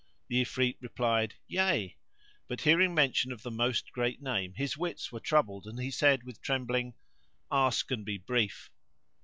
The Ifrit replied "Yea;" but, hearing mention of the Most Great Name, his wits were troubled and he said with trembling, "Ask and be brief."